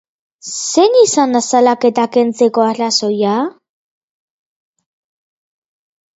Zein izan da salaketa kentzeko arrazoia?